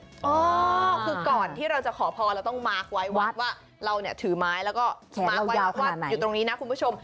คือก่อนที่เราจะขอพรเราต้องมาร์คไว้วัดว่าเราเนี่ยถือไม้แล้วก็มาร์คไว้อยู่ตรงนี้นะคุณผู้ชม